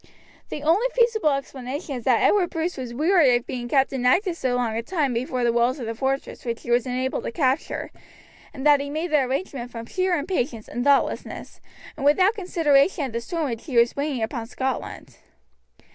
The only feasible explanation is that Edward Bruce was weary of being kept inactive so long a time before the walls of the fortress which he was unable to capture, and that he made the arrangement from sheer impatience and thoughtlessness and without consideration of the storm which he was bringing upon Scotland.